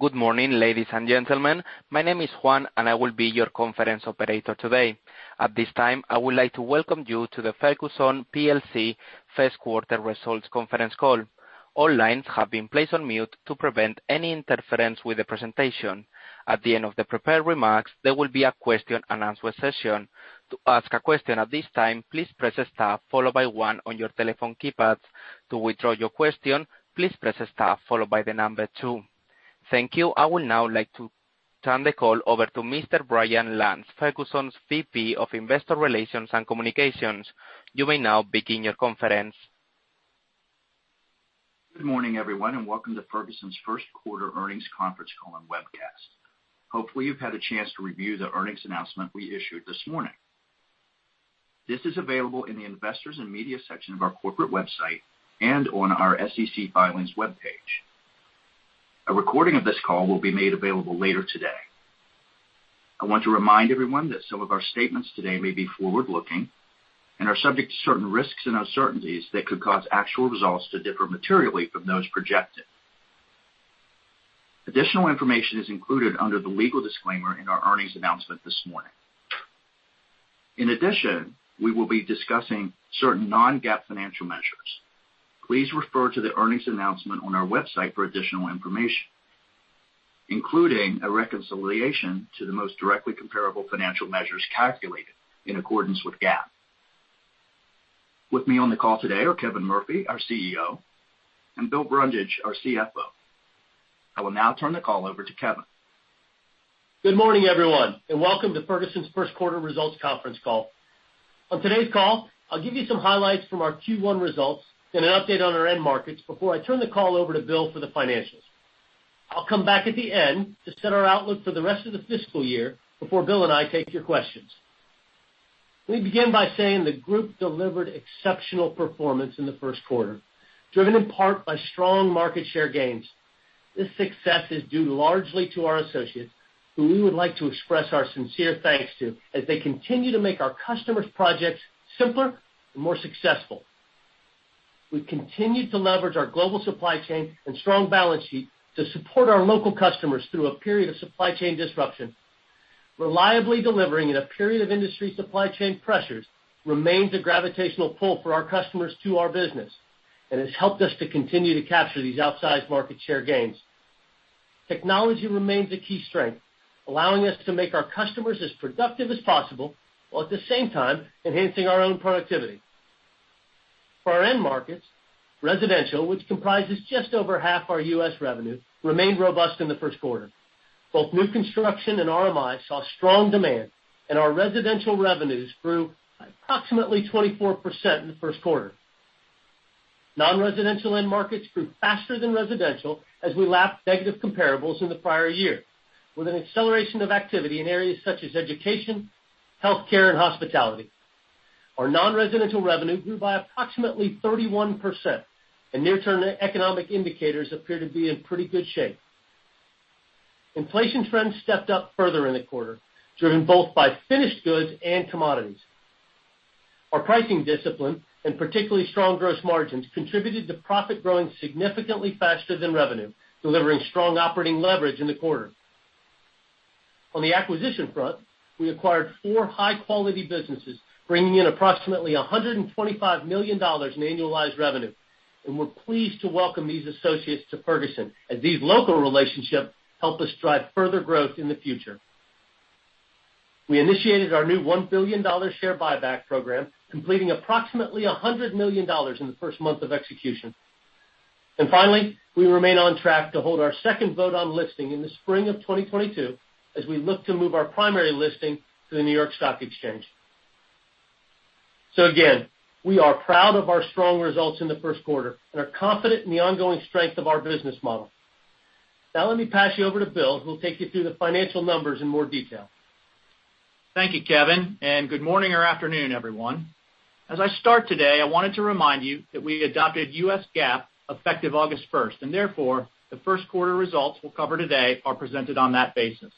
Good morning, ladies and gentlemen. My name is Juan, and I will be your conference operator today. At this time, I would like to welcome you to the Ferguson PLC first quarter results conference call. All lines have been placed on mute to prevent any interference with the presentation. At the end of the prepared remarks, there will be a question and answer session. To ask a question at this time, please press star followed by one on your telephone keypads. To withdraw your question, please press star followed by the number two. Thank you. I would now like to turn the call over to Mr. Brian Lantz, Ferguson's VP of Investor Relations and Communications. You may now begin your conference. Good morning, everyone, and welcome to Ferguson's first quarter earnings conference call and webcast. Hopefully, you've had a chance to review the earnings announcement we issued this morning. This is available in the Investors and Media section of our corporate website and on our SEC Filings webpage. A recording of this call will be made available later today. I want to remind everyone that some of our statements today may be forward-looking and are subject to certain risks and uncertainties that could cause actual results to differ materially from those projected. Additional information is included under the legal disclaimer in our earnings announcement this morning. In addition, we will be discussing certain non-GAAP financial measures. Please refer to the earnings announcement on our website for additional information, including a reconciliation to the most directly comparable financial measures calculated in accordance with GAAP. With me on the call today are Kevin Murphy, our CEO, and Bill Brundage, our CFO. I will now turn the call over to Kevin. Good morning, everyone, and welcome to Ferguson's first quarter results conference call. On today's call, I'll give you some highlights from our Q1 results and an update on our end markets before I turn the call over to Bill for the financials. I'll come back at the end to set our outlook for the rest of the fiscal year before Bill and I take your questions. Let me begin by saying the group delivered exceptional performance in the first quarter, driven in part by strong market share gains. This success is due largely to our associates, who we would like to express our sincere thanks to as they continue to make our customers' projects simpler and more successful. We've continued to leverage our global supply chain and strong balance sheet to support our local customers through a period of supply chain disruption. Reliably delivering in a period of industry supply chain pressures remains a gravitational pull for our customers to our business and has helped us to continue to capture these outsized market share gains. Technology remains a key strength, allowing us to make our customers as productive as possible, while at the same time enhancing our own productivity. For our end markets, residential, which comprises just over half our U.S. revenue, remained robust in the first quarter. Both new construction and RMI saw strong demand, and our residential revenues grew by approximately 24% in the first quarter. Non-residential end markets grew faster than residential as we lapped negative comparables in the prior year, with an acceleration of activity in areas such as education, healthcare, and hospitality. Our non-residential revenue grew by approximately 31%, and near-term economic indicators appear to be in pretty good shape. Inflation trends stepped up further in the quarter, driven both by finished goods and commodities. Our pricing discipline and particularly strong gross margins contributed to profit growing significantly faster than revenue, delivering strong operating leverage in the quarter. On the acquisition front, we acquired four high-quality businesses, bringing in approximately $125 million in annualized revenue, and we're pleased to welcome these associates to Ferguson, as these local relationships help us drive further growth in the future. We initiated our new $1 billion share buyback program, completing approximately $100 million in the first month of execution. Finally, we remain on track to hold our second vote on listing in the spring of 2022 as we look to move our primary listing to the New York Stock Exchange. Again, we are proud of our strong results in the first quarter and are confident in the ongoing strength of our business model. Now, let me pass you over to Bill, who will take you through the financial numbers in more detail. Thank you, Kevin, and good morning or afternoon, everyone. As I start today, I wanted to remind you that we adopted U.S. GAAP effective August 1st, and therefore, the first quarter results we'll cover today are presented on that basis.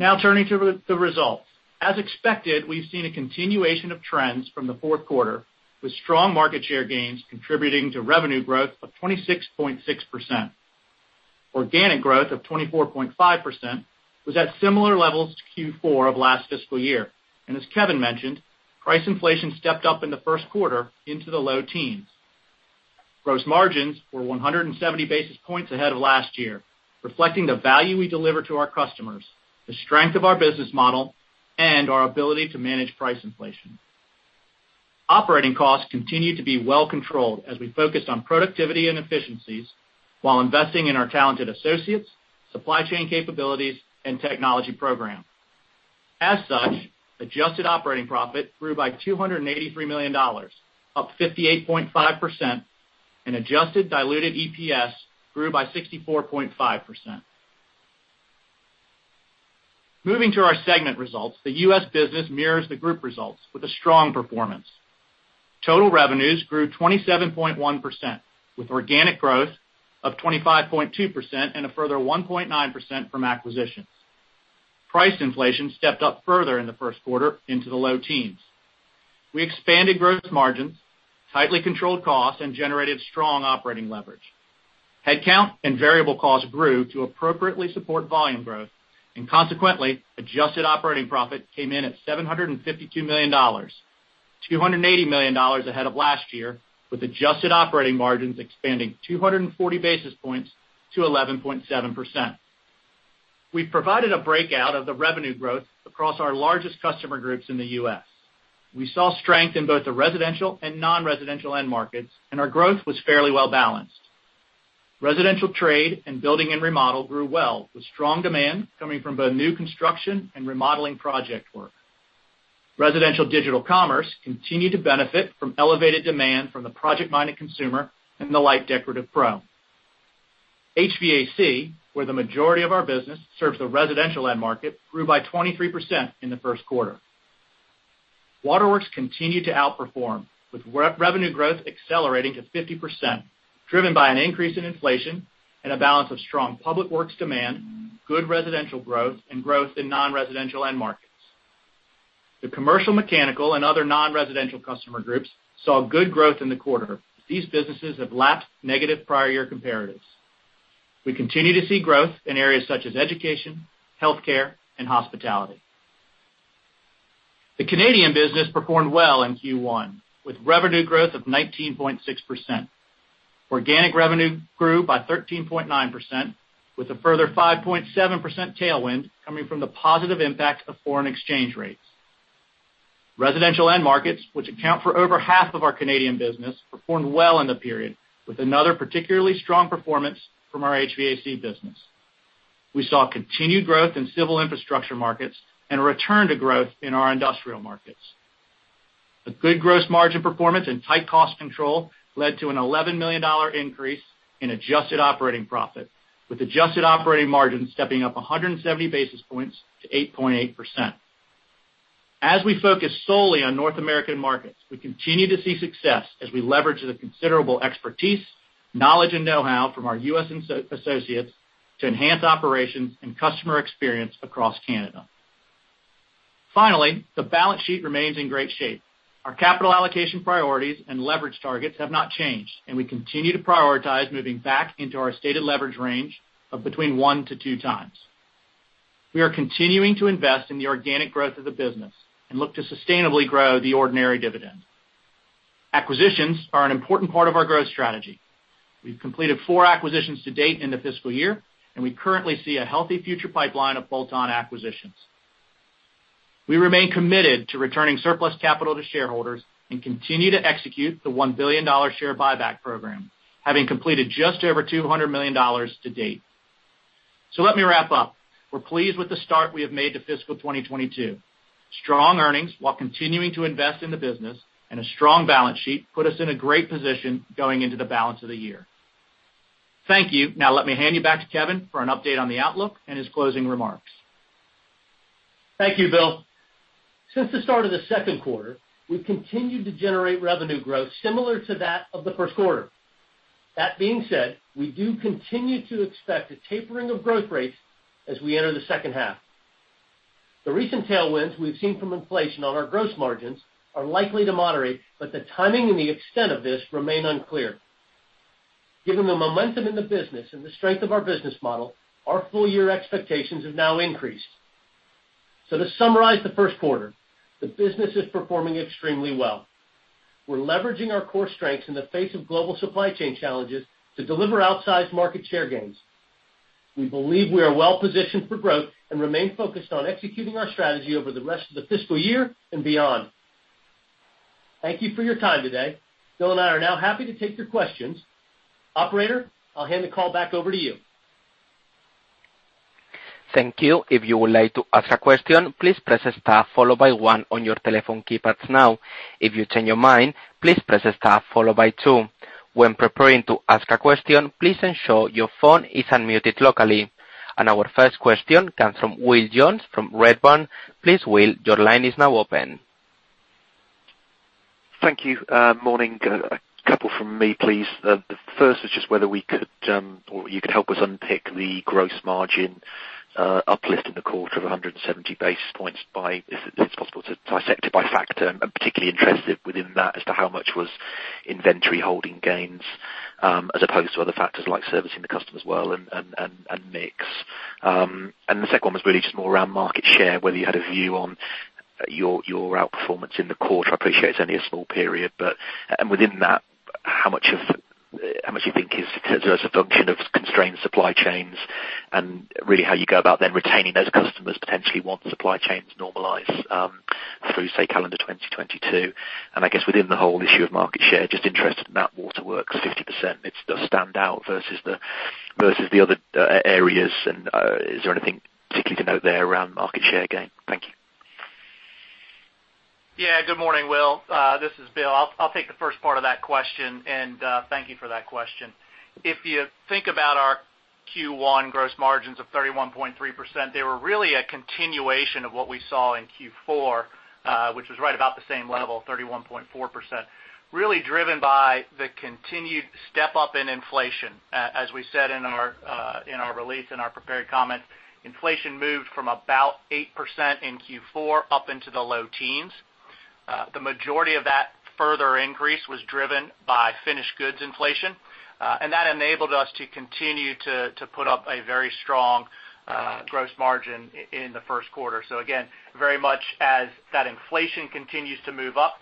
Now, turning to the results. As expected, we've seen a continuation of trends from the fourth quarter, with strong market share gains contributing to revenue growth of 26.6%. Organic growth of 24.5% was at similar levels to Q4 of last fiscal year. As Kevin mentioned, price inflation stepped up in the first quarter into the low teens. Gross margins were 170 basis points ahead of last year, reflecting the value we deliver to our customers, the strength of our business model, and our ability to manage price inflation. Operating costs continued to be well controlled as we focused on productivity and efficiencies while investing in our talented associates, supply chain capabilities, and technology program. As such, adjusted operating profit grew by $283 million, up 58.5%, and adjusted diluted EPS grew by 64.5%. Moving to our segment results, the U.S. business mirrors the group results with a strong performance. Total revenues grew 27.1%, with organic growth of 25.2% and a further 1.9% from acquisitions. Price inflation stepped up further in the first quarter into the low teens. We expanded gross margins, tightly controlled costs, and generated strong operating leverage. Headcount and variable costs grew to appropriately support volume growth, and consequently, adjusted operating profit came in at $752 million, $280 million ahead of last year, with adjusted operating margins expanding 240 basis points to 11.7%. We've provided a breakout of the revenue growth across our largest customer groups in the U.S. We saw strength in both the residential and non-residential end markets, and our growth was fairly well balanced. Residential trade and building and remodel grew well, with strong demand coming from both new construction and remodeling project work. Residential digital commerce continued to benefit from elevated demand from the project-minded consumer and the light decorative pro. HVAC, where the majority of our business serves the residential end market, grew by 23% in the first quarter. Waterworks continued to outperform, with revenue growth accelerating to 50%, driven by an increase in inflation and a balance of strong public works demand, good residential growth, and growth in non-residential end markets. The commercial, mechanical, and other non-residential customer groups saw good growth in the quarter. These businesses have lapped negative prior year comparatives. We continue to see growth in areas such as education, healthcare, and hospitality. The Canadian business performed well in Q1, with revenue growth of 19.6%. Organic revenue grew by 13.9% with a further 5.7% tailwind coming from the positive impact of foreign exchange rates. Residential end markets, which account for over half of our Canadian business, performed well in the period, with another particularly strong performance from our HVAC business. We saw continued growth in civil infrastructure markets and a return to growth in our industrial markets. The good gross margin performance and tight cost control led to a $11 million increase in adjusted operating profit, with adjusted operating margins stepping up 170 basis points to 8.8%. As we focus solely on North American markets, we continue to see success as we leverage the considerable expertise, knowledge, and know-how from our U.S. associates to enhance operations and customer experience across Canada. Finally, the balance sheet remains in great shape. Our capital allocation priorities and leverage targets have not changed, and we continue to prioritize moving back into our stated leverage range of between 1x-2x. We are continuing to invest in the organic growth of the business and look to sustainably grow the ordinary dividend. Acquisitions are an important part of our growth strategy. We've completed four acquisitions to date in the fiscal year, and we currently see a healthy future pipeline of bolt-on acquisitions. We remain committed to returning surplus capital to shareholders and continue to execute the $1 billion share buyback program, having completed just over $200 million to date. Let me wrap up. We're pleased with the start we have made to fiscal 2022. Strong earnings while continuing to invest in the business and a strong balance sheet put us in a great position going into the balance of the year. Thank you. Now let me hand you back to Kevin for an update on the outlook and his closing remarks. Thank you, Bill. Since the start of the second quarter, we've continued to generate revenue growth similar to that of the first quarter. That being said, we do continue to expect a tapering of growth rates as we enter the second half. The recent tailwinds we've seen from inflation on our gross margins are likely to moderate, but the timing and the extent of this remain unclear. Given the momentum in the business and the strength of our business model, our full year expectations have now increased. To summarize the first quarter, the business is performing extremely well. We're leveraging our core strengths in the face of global supply chain challenges to deliver outsized market share gains. We believe we are well-positioned for growth and remain focused on executing our strategy over the rest of the fiscal year and beyond. Thank you for your time today. Bill and I are now happy to take your questions. Operator, I'll hand the call back over to you. Thank you. If you would like to ask a question, please press star followed by one on your telephone keypads now. If you change your mind, please press star followed by two. When preparing to ask a question, please ensure your phone is unmuted locally. Our first question comes from Will Jones from Redburn. Please, Will, your line is now open. Thank you. Morning. A couple from me, please. The first is just whether we could or you could help us unpick the gross margin uplift in the quarter of 170 basis points by, if it's possible, to dissect it by factor. I'm particularly interested within that as to how much was inventory holding gains as opposed to other factors like servicing the customer as well and mix. The second one was really just more around market share, whether you had a view on your outperformance in the quarter. I appreciate it's only a small period, but within that, how much do you think is as a function of constrained supply chains and really how you go about then retaining those customers potentially once supply chains normalize through, say, calendar 2022? I guess within the whole issue of market share, just interested in that Waterworks 50%, it's the standout versus the other areas. Is there anything particularly to note there around market share gain? Thank you. Yeah. Good morning, Will. This is Bill. I'll take the first part of that question, and thank you for that question. If you think about our Q1 gross margins of 31.3%, they were really a continuation of what we saw in Q4, which was right about the same level, 31.4%, really driven by the continued step-up in inflation. As we said in our release, in our prepared comment, inflation moved from about 8% in Q4 up into the low teens. The majority of that further increase was driven by finished goods inflation, and that enabled us to continue to put up a very strong gross margin in the first quarter. Again, very much as that inflation continues to move up,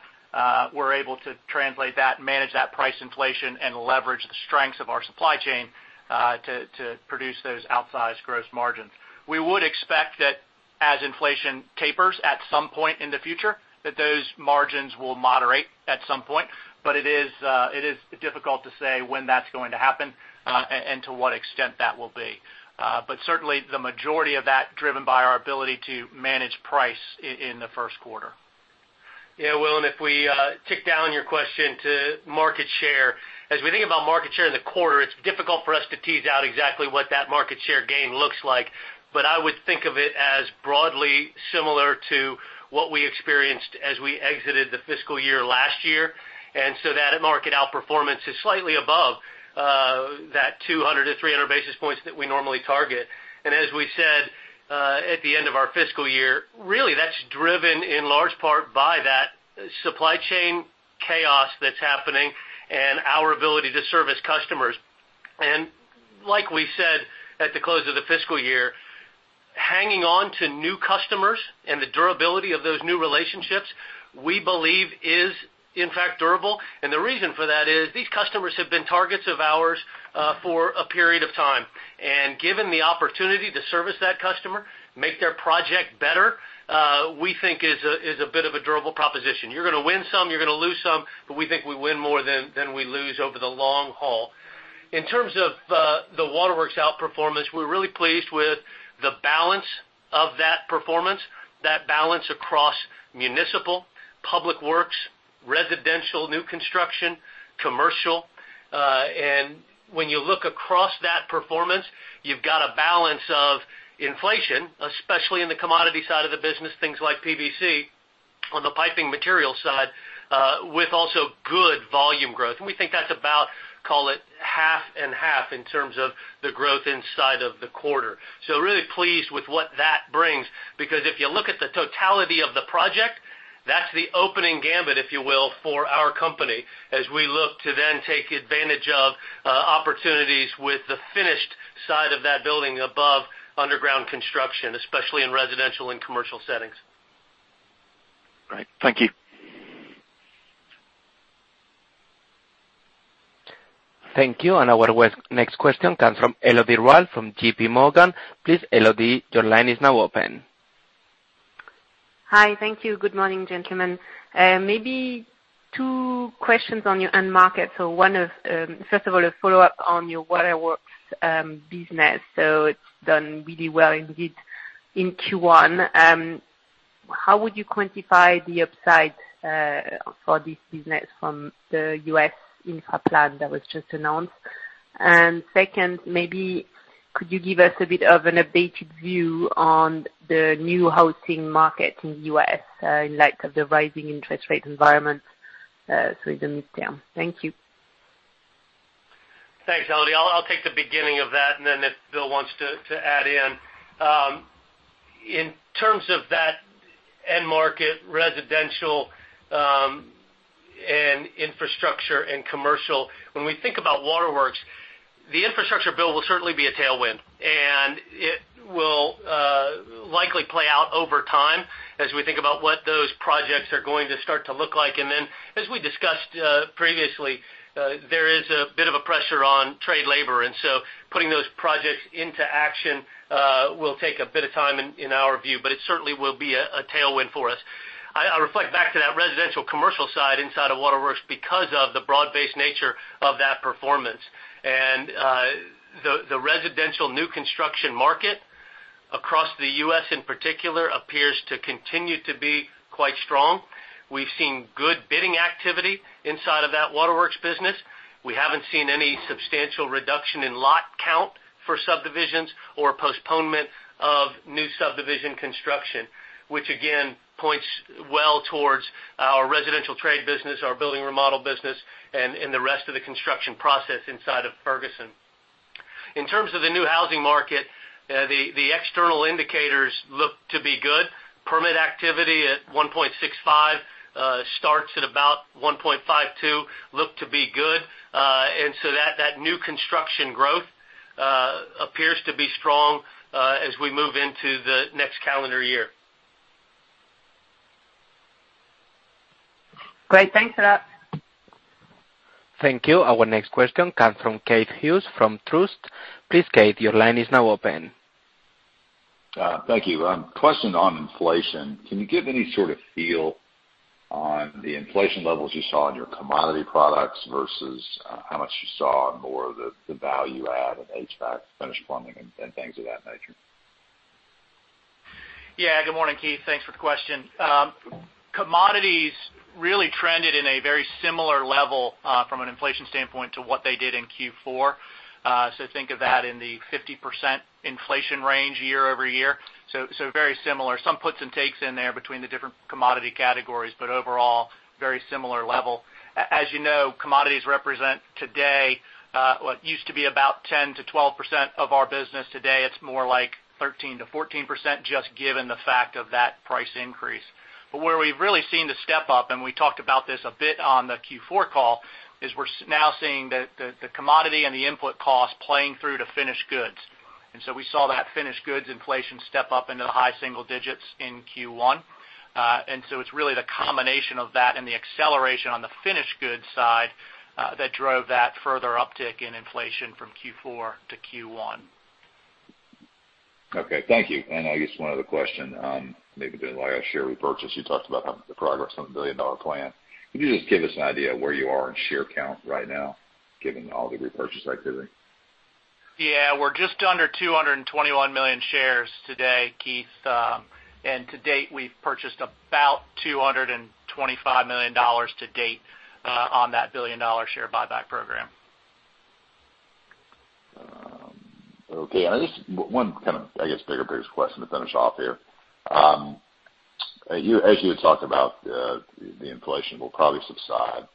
we're able to translate that, manage that price inflation and leverage the strengths of our supply chain, to produce those outsized gross margins. We would expect that as inflation tapers at some point in the future, that those margins will moderate at some point, but it is difficult to say when that's going to happen, and to what extent that will be. Certainly, the majority of that driven by our ability to manage price in the first quarter. Yeah, Will, and if we tick down your question to market share, as we think about market share in the quarter, it's difficult for us to tease out exactly what that market share gain looks like. I would think of it as broadly similar to what we experienced as we exited the fiscal year last year. That market outperformance is slightly above that 200-300 basis points that we normally target. As we said at the end of our fiscal year, really that's driven in large part by that supply chain chaos that's happening and our ability to service customers. Like we said at the close of the fiscal year, hanging on to new customers and the durability of those new relationships, we believe is, in fact, durable. The reason for that is these customers have been targets of ours for a period of time. Given the opportunity to service that customer, make their project better, we think is a bit of a durable proposition. You're gonna win some, you're gonna lose some, but we think we win more than we lose over the long haul. In terms of the Waterworks outperformance, we're really pleased with the balance of that performance, that balance across municipal, public works, residential new construction, commercial. When you look across that performance, you've got a balance of inflation, especially in the commodity side of the business, things like PVC on the piping material side, with also good volume growth. We think that's about, call it half and half in terms of the growth inside of the quarter. Really pleased with what that brings, because if you look at the totality of the project, that's the opening gambit, if you will, for our company, as we look to then take advantage of opportunities with the finished side of that building above underground construction, especially in residential and commercial settings. Great. Thank you. Thank you. Our next question comes from Elodie Rall from JPMorgan. Please, Elodie, your line is now open. Hi. Thank you. Good morning, gentlemen. Maybe two questions on your end market. First of all, a follow-up on your Waterworks business. It's done really well indeed in Q1. How would you quantify the upside for this business from the U.S. infra plan that was just announced? Second, maybe could you give us a bit of an updated view on the new housing market in the U.S., in light of the rising interest rate environment, through the midterm? Thank you. Thanks, Elodie. I'll take the beginning of that, and then if Bill wants to add in. In terms of that end market, residential, and infrastructure and commercial, when we think about Waterworks, the infrastructure bill will certainly be a tailwind, and it will likely play out over time as we think about what those projects are going to start to look like. As we discussed previously, there is a bit of a pressure on trade labor, and so putting those projects into action will take a bit of time in our view, but it certainly will be a tailwind for us. I reflect back to that residential commercial side inside of Waterworks because of the broad-based nature of that performance. The residential new construction market across the U.S. in particular appears to continue to be quite strong. We've seen good bidding activity inside of that Waterworks business. We haven't seen any substantial reduction in lot count for subdivisions or postponement of new subdivision construction, which again points well towards our residential trade business, our building remodel business, and the rest of the construction process inside of Ferguson. In terms of the new housing market, the external indicators look to be good. Permit activity at 1.65, starts at about 1.52, look to be good. The new construction growth appears to be strong as we move into the next calendar year. Great. Thanks for that. Thank you. Our next question comes from Keith Hughes from Truist. Please, Keith, your line is now open. Thank you. Question on inflation. Can you give any sort of feel on the inflation levels you saw in your commodity products versus how much you saw on more of the value add of HVAC, finished plumbing and things of that nature? Yeah. Good morning, Keith. Thanks for the question. Commodities really trended in a very similar level, from an inflation standpoint to what they did in Q4. Think of that in the 50% inflation range year-over-year. Very similar. Some puts and takes in there between the different commodity categories, but overall, very similar level. As you know, commodities represent today what used to be about 10%-12% of our business. Today, it's more like 13%-14% just given the fact of that price increase. Where we've really seen the step up, and we talked about this a bit on the Q4 call, is we're now seeing the commodity and the input costs playing through to finished goods. We saw that finished goods inflation step up into the high single digits in Q1. It's really the combination of that and the acceleration on the finished goods side that drove that further uptick in inflation from Q4 to Q1. Okay. Thank you. I guess one other question, maybe on our share repurchase. You talked about the progress on the billion-dollar plan. Can you just give us an idea where you are in share count right now, given all the repurchase activity? Yeah. We're just under 221 million shares today, Keith. And to date, we've purchased about $225 million on that $1 billion share buyback program. Okay. Just one kind of, I guess, bigger, biggest question to finish off here. As you had talked about, the inflation will probably subside.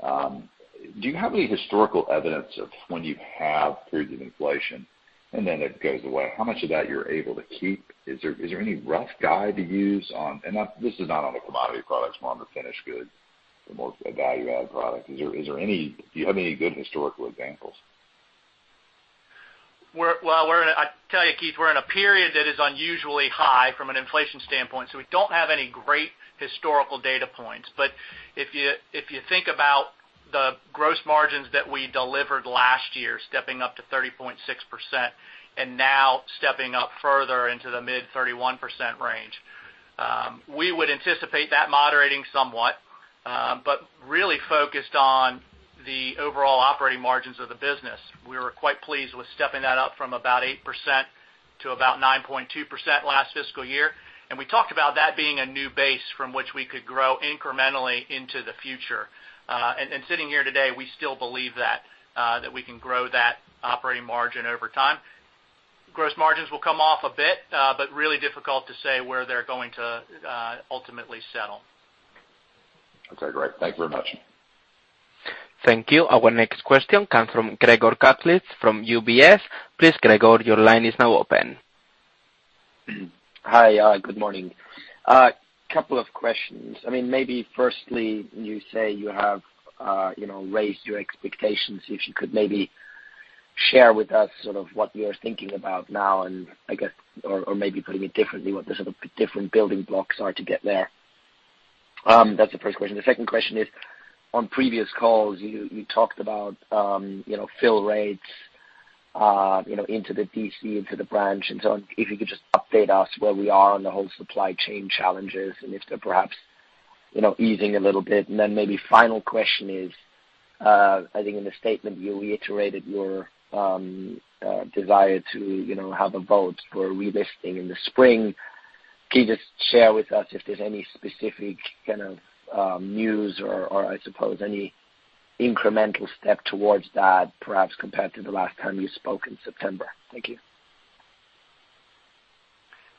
Do you have any historical evidence of when you have periods of inflation and then it goes away? How much of that you're able to keep? Is there any rough guide you use on? This is not on the commodity products, more on the finished goods, the more value-add product. Do you have any good historical examples? Well, I tell you, Keith, we're in a period that is unusually high from an inflation standpoint, so we don't have any great historical data points. If you think about the gross margins that we delivered last year, stepping up to 30.6% and now stepping up further into the mid-31% range, we would anticipate that moderating somewhat, but really focused on the overall operating margins of the business. We were quite pleased with stepping that up from about 8%-9.2% last fiscal year. We talked about that being a new base from which we could grow incrementally into the future. Sitting here today, we still believe that we can grow that operating margin over time. Gross margins will come off a bit, but really difficult to say where they're going to ultimately settle. Okay, great. Thank you very much. Thank you. Our next question comes from Gregor Kuglitsch from UBS. Please, Gregor, your line is now open. Hi. Good morning. Couple of questions. I mean, maybe firstly, you say you have, you know, raised your expectations. If you could maybe share with us sort of what you're thinking about now, and I guess, or maybe putting it differently, what the sort of different building blocks are to get there. That's the first question. The second question is, on previous calls, you talked about, you know, fill rates, you know, into the DC, into the branch and so on. If you could just update us where we are on the whole supply chain challenges and if they're perhaps, you know, easing a little bit. Then maybe final question is, I think in the statement you reiterated your desire to, you know, have a vote for relisting in the spring. Can you just share with us if there's any specific kind of, news or I suppose any incremental step towards that, perhaps compared to the last time you spoke in September? Thank you.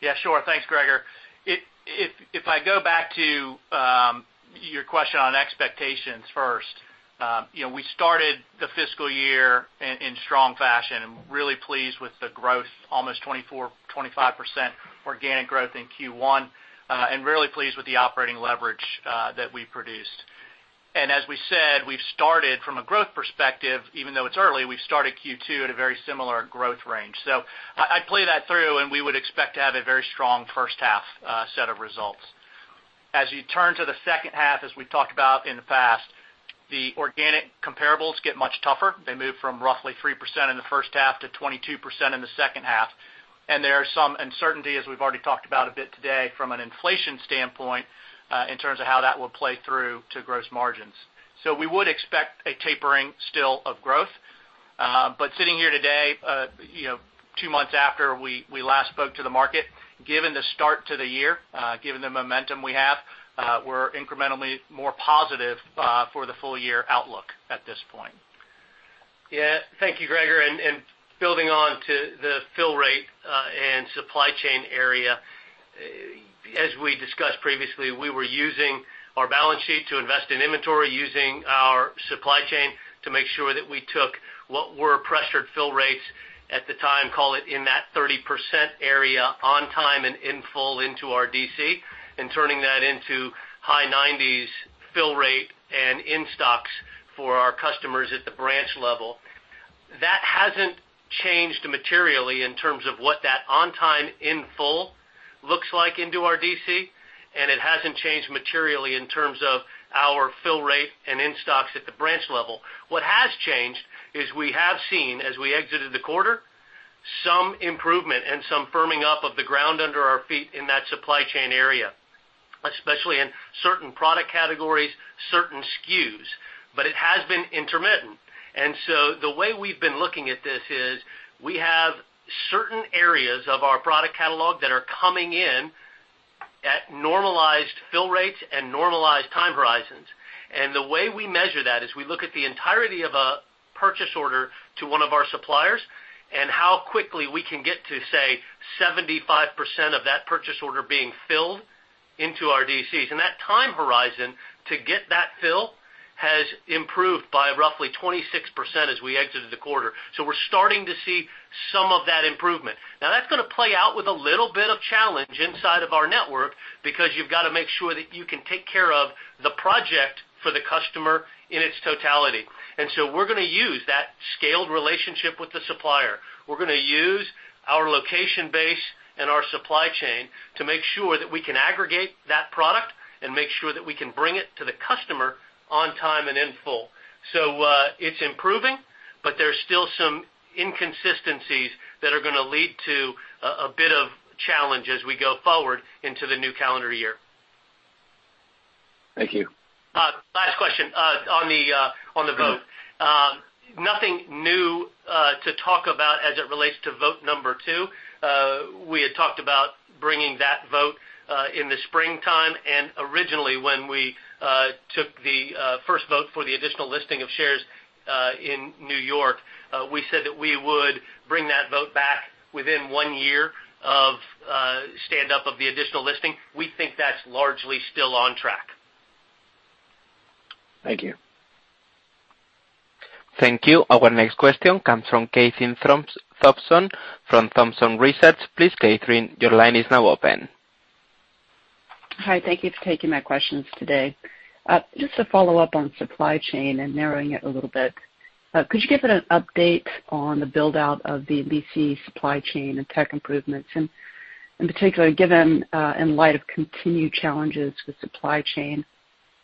Yeah, sure. Thanks, Gregor. If I go back to your question on expectations first, we started the fiscal year in strong fashion and really pleased with the growth, almost 24%-25% organic growth in Q1, and really pleased with the operating leverage that we produced. As we said, we've started from a growth perspective, even though it's early, we've started Q2 at a very similar growth range. I play that through, and we would expect to have a very strong first half set of results. As you turn to the second half, as we've talked about in the past, the organic comparables get much tougher. They move from roughly 3% in the first half to 22% in the second half. There are some uncertainty, as we've already talked about a bit today, from an inflation standpoint, in terms of how that will play through to gross margins. We would expect a tapering still of growth. Sitting here today, you know, two months after we last spoke to the market, given the start to the year, given the momentum we have, we're incrementally more positive, for the full year outlook at this point. Yeah. Thank you, Gregor. Building on to the fill rate and supply chain area, as we discussed previously, we were using our balance sheet to invest in inventory, using our supply chain to make sure that we took what were pressured fill rates at the time, call it in that 30% area on time and in full into our DC, and turning that into high 90s fill rate and in stocks for our customers at the branch level. That hasn't changed materially in terms of what that on time, in full looks like into our DC, and it hasn't changed materially in terms of our fill rate and in stocks at the branch level. What has changed is we have seen, as we exited the quarter, some improvement and some firming up of the ground under our feet in that supply chain area, especially in certain product categories, certain SKUs. It has been intermittent. The way we've been looking at this is we have certain areas of our product catalog that are coming in At normalized fill rates and normalized time horizons. The way we measure that is we look at the entirety of a purchase order to one of our suppliers, and how quickly we can get to, say, 75% of that purchase order being filled into our DCs. That time horizon to get that fill has improved by roughly 26% as we exited the quarter. We're starting to see some of that improvement. Now, that's gonna play out with a little bit of challenge inside of our network because you've got to make sure that you can take care of the project for the customer in its totality. We're gonna use that scaled relationship with the supplier. We're gonna use our location base and our supply chain to make sure that we can aggregate that product and make sure that we can bring it to the customer on time and in full. It's improving, but there's still some inconsistencies that are gonna lead to a bit of challenge as we go forward into the new calendar year. Thank you. Last question on the vote. Nothing new to talk about as it relates to vote number two. We had talked about bringing that vote in the springtime. Originally, when we took the first vote for the additional listing of shares in New York, we said that we would bring that vote back within one year of stand up of the additional listing. We think that's largely still on track. Thank you. Thank you. Our next question comes from Kathryn Thompson from Thompson Research. Please, Kathryn, your line is now open. Hi. Thank you for taking my questions today. Just to follow up on supply chain and narrowing it a little bit. Could you give an update on the build-out of the MDC supply chain and tech improvements? In particular, given in light of continued challenges with supply chain,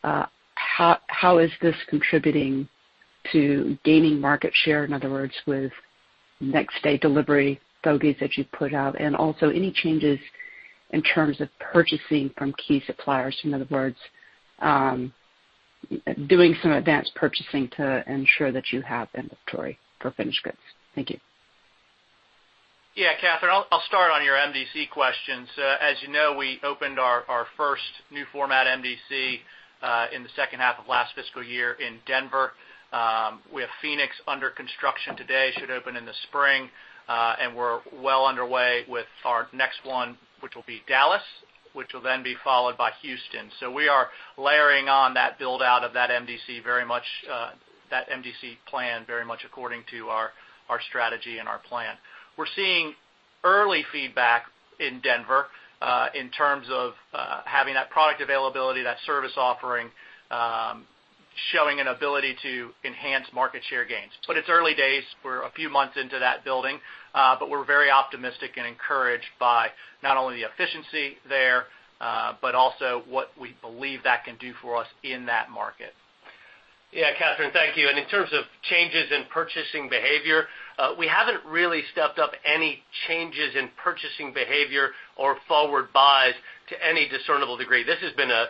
how is this contributing to gaining market share, in other words, with next day delivery bogeys that you've put out? Also any changes in terms of purchasing from key suppliers, in other words, doing some advanced purchasing to ensure that you have inventory for finished goods. Thank you. Yeah, Kathryn, I'll start on your MDC questions. As you know, we opened our first new format MDC in the second half of last fiscal year in Denver. We have Phoenix under construction today, should open in the spring. We're well underway with our next one, which will be Dallas, which will then be followed by Houston. We are layering on that build-out of that MDC very much, that MDC plan very much according to our strategy and our plan. We're seeing early feedback in Denver in terms of having that product availability, that service offering, showing an ability to enhance market share gains. It's early days. We're a few months into that building, but we're very optimistic and encouraged by not only the efficiency there, but also what we believe that can do for us in that market. Yeah, Kathryn, thank you. In terms of changes in purchasing behavior, we haven't really stepped up any changes in purchasing behavior or forward buys to any discernible degree. This has been a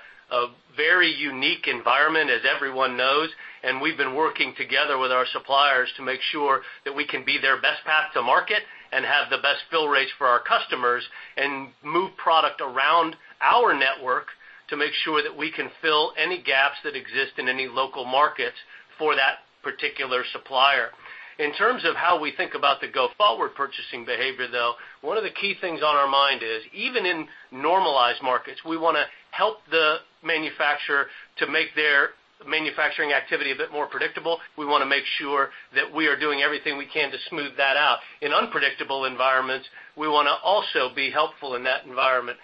very unique environment, as everyone knows, and we've been working together with our suppliers to make sure that we can be their best path to market and have the best fill rates for our customers and move product around our network to make sure that we can fill any gaps that exist in any local markets for that particular supplier. In terms of how we think about the go-forward purchasing behavior, though, one of the key things on our mind is even in normalized markets, we wanna help the manufacturer to make their manufacturing activity a bit more predictable. We wanna make sure that we are doing everything we can to smooth that out. In unpredictable environments, we wanna also be helpful in that environment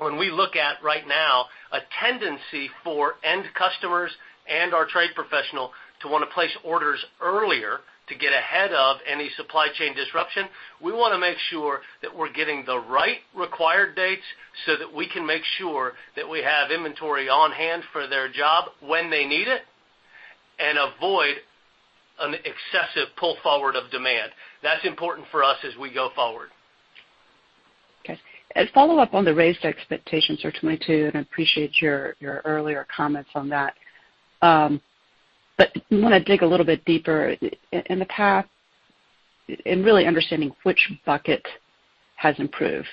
when we look at right now a tendency for end customers and our trade professional to wanna place orders earlier to get ahead of any supply chain disruption, we wanna make sure that we're getting the right required dates so that we can make sure that we have inventory on hand for their job when they need it and avoid an excessive pull forward of demand. That's important for us as we go forward. Okay. A follow-up on the raised expectations for 2022, and I appreciate your earlier comments on that. I wanna dig a little bit deeper in the path in really understanding which bucket has improved.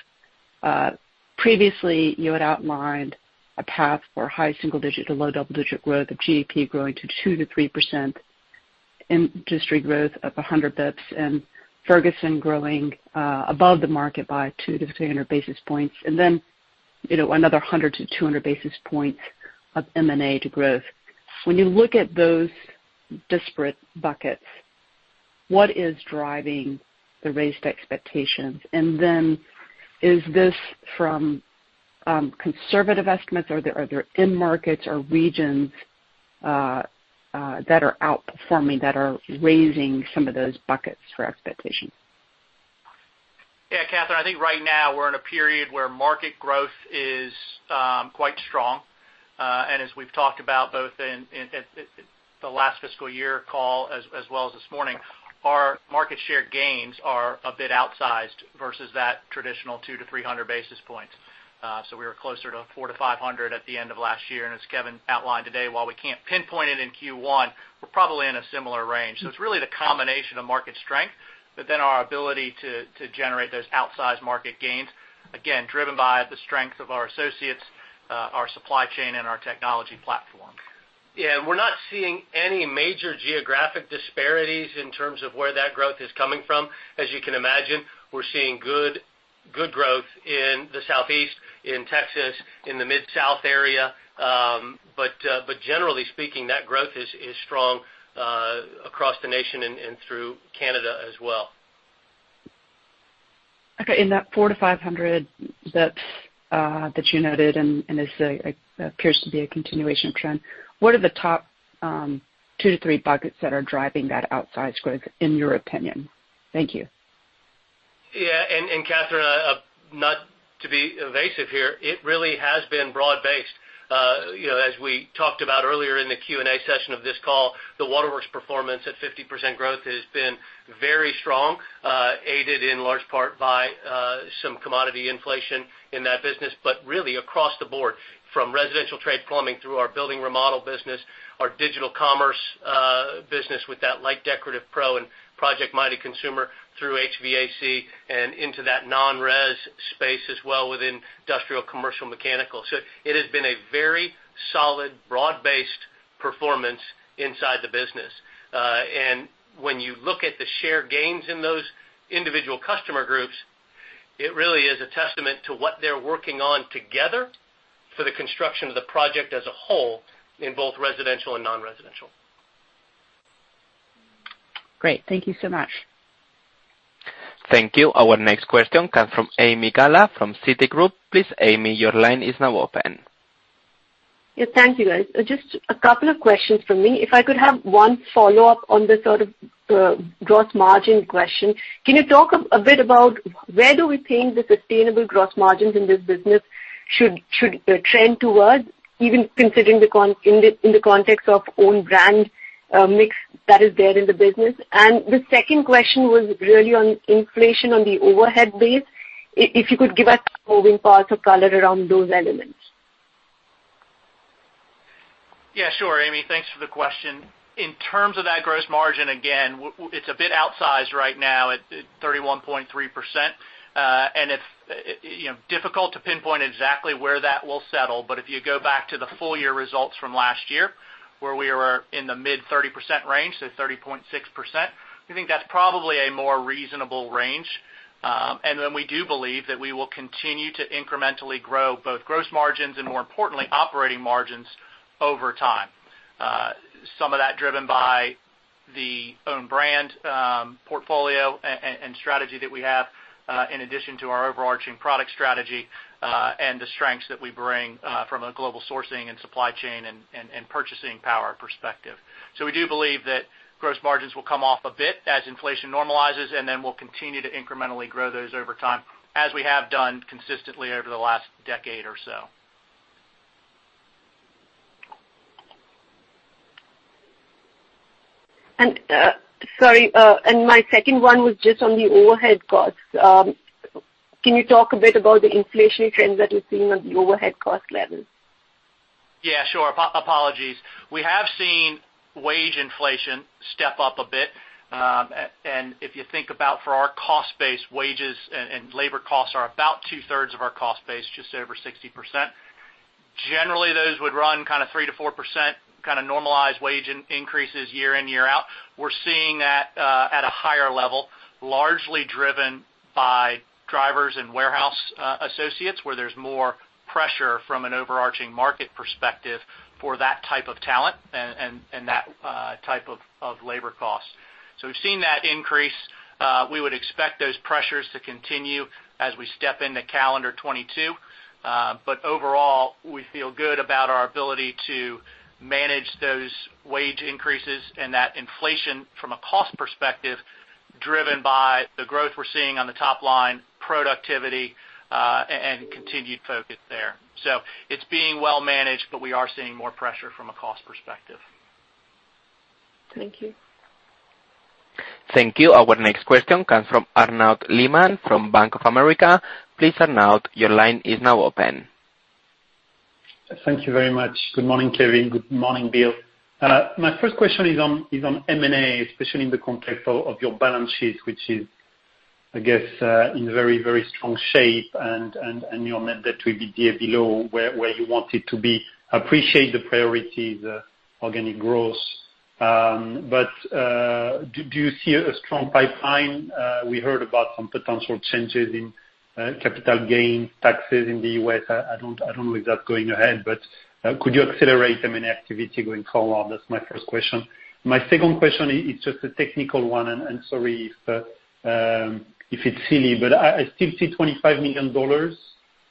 Previously, you had outlined a path for high single-digit to low double-digit growth of GDP growing to 2%-3%, industry growth of 100 basis points, and Ferguson growing above the market by 200-300 basis points and then, you know, another 100-200 basis points of M&A to growth. When you look at those disparate buckets, what is driving the raised expectations? Then is this from conservative estimates, or are there end markets or regions that are outperforming, that are raising some of those buckets for expectations? Yeah, Kathryn, I think right now we're in a period where market growth is quite strong. As we've talked about both in the last fiscal year call as well as this morning, our market share gains are a bit outsized versus that traditional 200-300 basis points. We were closer to 400-500 basis points at the end of last year. As Kevin outlined today, while we can't pinpoint it in Q1, we're probably in a similar range. It's really the combination of market strength, but then our ability to generate those outsized market gains, again, driven by the strength of our associates, our supply chain and our technology platform. Yeah, we're not seeing any major geographic disparities in terms of where that growth is coming from. As you can imagine, we're seeing good growth in the Southeast, in Texas, in the Mid-South area. Generally speaking, that growth is strong across the nation and through Canada as well. Okay, in that 400-500 basis points that you noted, and this appears to be a continuation of trend, what are the top two, three buckets that are driving that outsized growth, in your opinion? Thank you. Kathryn, not to be evasive here, it really has been broad-based. You know, as we talked about earlier in the Q&A session of this call, the Waterworks performance at 50% growth has been very strong, aided in large part by some commodity inflation in that business. Really across the board, from residential trade plumbing through our building remodel business, our digital commerce business with that light decorative pro and project-minded consumer through HVAC and into that non-res space as well within industrial commercial mechanical. It has been a very solid, broad-based performance inside the business. When you look at the share gains in those individual customer groups, it really is a testament to what they're working on together for the construction of the project as a whole in both residential and non-residential. Great. Thank you so much. Thank you. Our next question comes from Ami Galla from Citigroup. Please, Ami, your line is now open. Yes, thank you, guys. Just a couple of questions from me. If I could have one follow-up on the sort of gross margin question. Can you talk a bit about where we think the sustainable gross margins in this business should trend towards, even in the context of own brand mix that is there in the business? The second question was really on inflation on the overhead base. If you could give us more color around those elements. Yeah, sure, Ami, thanks for the question. In terms of that gross margin, again, it's a bit outsized right now at 31.3%. It's, you know, difficult to pinpoint exactly where that will settle, but if you go back to the full year results from last year, where we were in the mid-30% range, so 30.6%, we think that's probably a more reasonable range. We do believe that we will continue to incrementally grow both gross margins and, more importantly, operating margins over time. Some of that driven by the own brand portfolio and strategy that we have, in addition to our overarching product strategy, and the strengths that we bring, from a global sourcing and supply chain and purchasing power perspective. We do believe that gross margins will come off a bit as inflation normalizes, and then we'll continue to incrementally grow those over time, as we have done consistently over the last decade or so. Sorry, and my second one was just on the overhead costs. Can you talk a bit about the inflationary trends that you're seeing on the overhead cost levels? Yeah, sure. Apologies. We have seen wage inflation step up a bit. If you think about for our cost base, wages and labor costs are about two-thirds of our cost base, just over 60%. Generally, those would run kinda 3%-4%, kinda normalized wage increases year in, year out. We're seeing that at a higher level, largely driven by drivers and warehouse associates, where there's more pressure from an overarching market perspective for that type of talent and that type of labor costs. We've seen that increase. We would expect those pressures to continue as we step into calendar 2022. Overall, we feel good about our ability to manage those wage increases and that inflation from a cost perspective driven by the growth we're seeing on the top line productivity, and continued focus there. It's being well managed, but we are seeing more pressure from a cost perspective. Thank you. Thank you. Our next question comes from Arnaud Lehmann from Bank of America. Please, Arnaud, your line is now open. Thank you very much. Good morning, Kevin. Good morning, Bill. My first question is on M&A, especially in the context of your balance sheet, which is, I guess, in very, very strong shape and your net debt will be there below where you want it to be. I appreciate the priorities, organic growth. But do you see a strong pipeline? We heard about some potential changes in capital gain taxes in the U.S. I don't know if that's going ahead, but could you accelerate the M&A activity going forward? That's my first question. My second question is just a technical one, and I'm sorry if it's silly, but I still see $25 million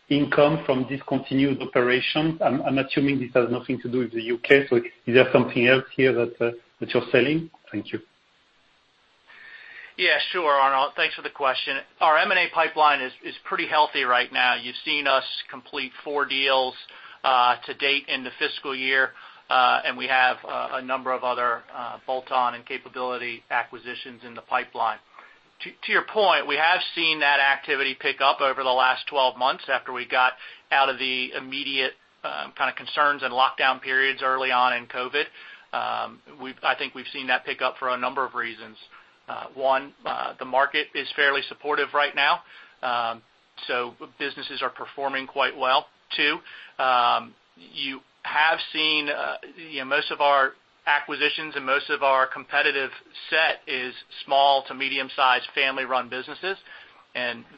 income from discontinued operations. I'm assuming this has nothing to do with the U.K., so is there something else here that you're selling? Thank you. Yeah, sure, Arnaud. Thanks for the question. Our M&A pipeline is pretty healthy right now. You've seen us complete four deals to date in the fiscal year, and we have a number of other bolt-on and capability acquisitions in the pipeline. To your point, we have seen that activity pick up over the last 12 months after we got out of the immediate kinda concerns and lockdown periods early on in COVID. I think we've seen that pick up for a number of reasons. One, the market is fairly supportive right now. Businesses are performing quite well. Two, you have seen you know, most of our acquisitions and most of our competitive set is small to medium-sized family run businesses.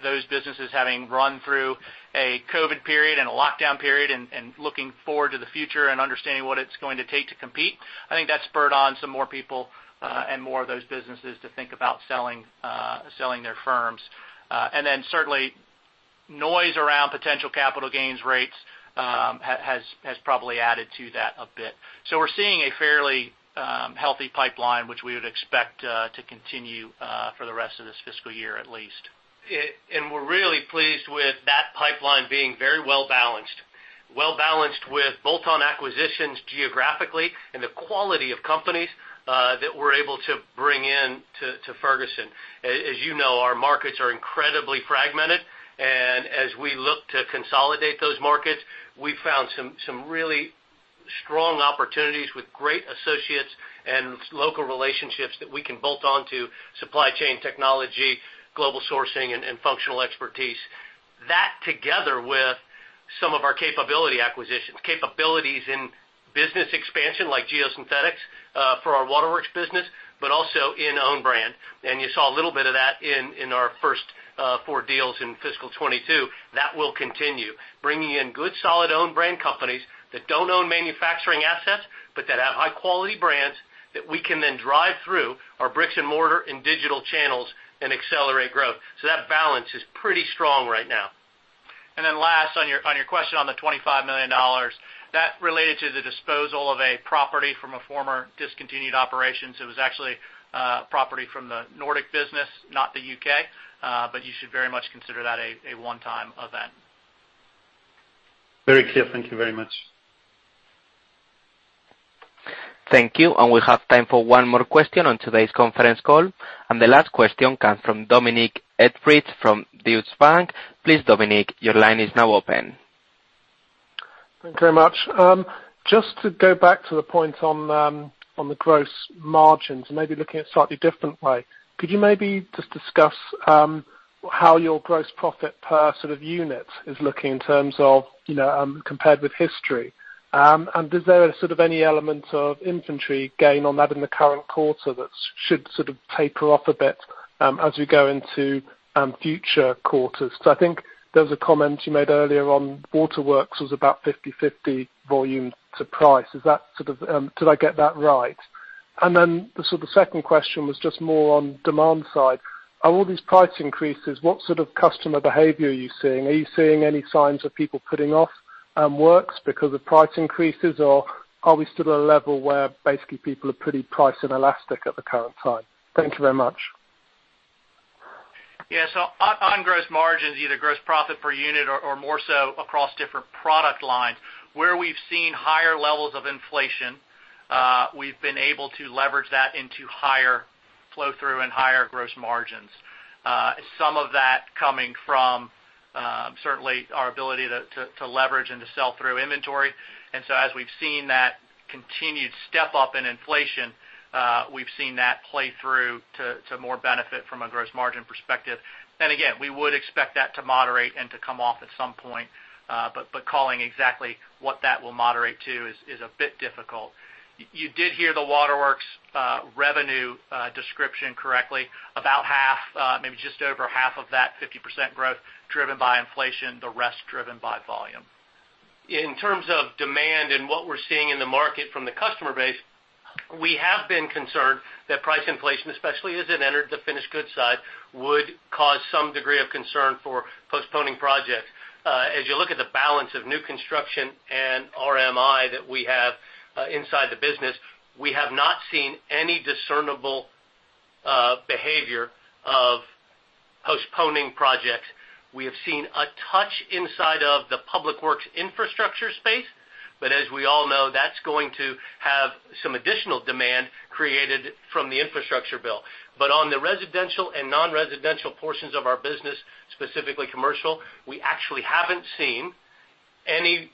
Those businesses having run through a COVID period and a lockdown period and looking forward to the future and understanding what it's going to take to compete, I think that spurred on some more people and more of those businesses to think about selling their firms. Certainly noise around potential capital gains rates has probably added to that a bit. We're seeing a fairly healthy pipeline, which we would expect to continue for the rest of this fiscal year, at least. We're really pleased with that pipeline being very well-balanced. Well-balanced with bolt-on acquisitions geographically and the quality of companies that we're able to bring in to Ferguson. As you know, our markets are incredibly fragmented. As we look to consolidate those markets, we found some really strong opportunities with great associates and local relationships that we can bolt on to supply chain technology, global sourcing, and functional expertise. That together with some of our capability acquisitions, capabilities in business expansion, like geosynthetics, for our Waterworks business, but also in own brand. You saw a little bit of that in our first four deals in fiscal 2022. That will continue. Bringing in good solid own brand companies that don't own manufacturing assets, but that have high quality brands that we can then drive through our bricks and mortar and digital channels and accelerate growth. That balance is pretty strong right now. Last on your question on the $25 million, that related to the disposal of a property from a former discontinued operations. It was actually property from the Nordic business, not the U.K. You should very much consider that a one-time event. Very clear. Thank you very much. Thank you. We have time for one more question on today's conference call. The last question comes from Dominic Edridge from Deutsche Bank. Please, Dominic, your line is now open. Thanks very much. Just to go back to the point on the gross margins, maybe looking at it a slightly different way. Could you maybe just discuss how your gross profit per sort of unit is looking in terms of, you know, compared with history? And is there sort of any element of inventory gain on that in the current quarter that should sort of taper off a bit as we go into future quarters? I think there was a comment you made earlier on Waterworks was about 50/50 volume to price. Is that sort of? Did I get that right? And then the sort of second question was just more on demand side. On all these price increases, what sort of customer behavior are you seeing? Are you seeing any signs of people putting off works because of price increases? Or are we still at a level where basically people are pretty price inelastic at the current time? Thank you very much. Yeah. On gross margins, either gross profit per unit or more so across different product lines, where we've seen higher levels of inflation, we've been able to leverage that into higher flow through and higher gross margins. Some of that coming from certainly our ability to leverage and to sell through inventory. And so as we've seen that continued step up in inflation, we've seen that play through to more benefit from a gross margin perspective. And again, we would expect that to moderate and to come off at some point, but calling exactly what that will moderate to is a bit difficult. You did hear the Waterworks revenue description correctly. About half, maybe just over half of that 50% growth driven by inflation, the rest driven by volume. In terms of demand and what we're seeing in the market from the customer base, we have been concerned that price inflation, especially as it entered the finished goods side, would cause some degree of concern for postponing projects. As you look at the balance of new construction and RMI that we have inside the business, we have not seen any discernible behavior of postponing projects. We have seen a touch inside of the public works infrastructure space, but as we all know, that's going to have some additional demand created from the infrastructure bill. On the residential and non-residential portions of our business, specifically commercial, we actually haven't seen any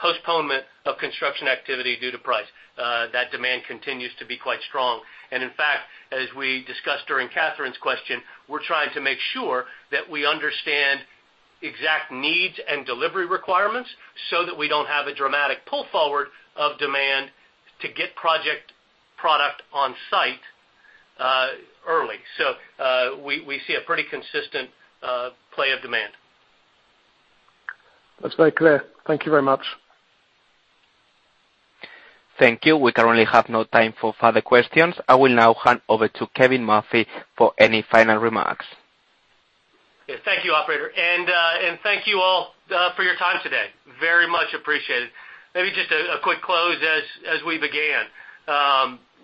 postponement of construction activity due to price. That demand continues to be quite strong. In fact, as we discussed during Kathryn's question, we're trying to make sure that we understand exact needs and delivery requirements so that we don't have a dramatic pull forward of demand to get project product on site, early. We see a pretty consistent play of demand. That's very clear. Thank you very much. Thank you. We currently have no time for further questions. I will now hand over to Kevin Murphy for any final remarks. Yeah. Thank you, operator. Thank you all for your time today. Very much appreciated. Maybe just a quick close as we began.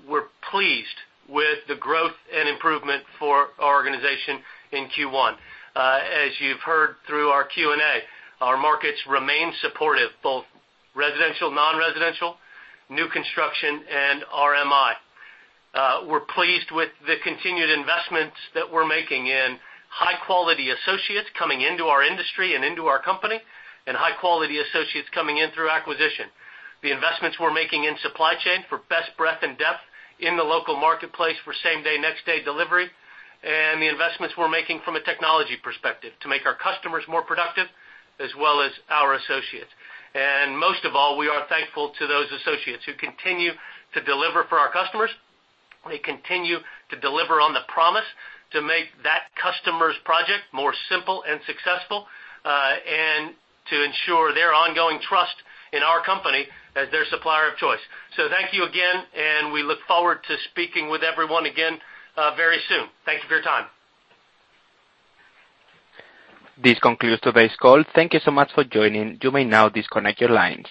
We're pleased with the growth and improvement for our organization in Q1. As you've heard through our Q&A, our markets remain supportive, both residential, non-residential, new construction and RMI. We're pleased with the continued investments that we're making in high-quality associates coming into our industry and into our company, and high quality associates coming in through acquisition. The investments we're making in supply chain for best breadth and depth in the local marketplace for same day, next day delivery, and the investments we're making from a technology perspective to make our customers more productive, as well as our associates. Most of all, we are thankful to those associates who continue to deliver for our customers. They continue to deliver on the promise to make that customer's project more simple and successful, and to ensure their ongoing trust in our company as their supplier of choice. Thank you again, and we look forward to speaking with everyone again, very soon. Thank you for your time. This concludes today's call. Thank you so much for joining. You may now disconnect your lines.